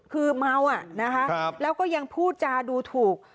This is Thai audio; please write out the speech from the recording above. คือเมาอ่ะนะคะแล้วก็ยังพูดจาดูถูก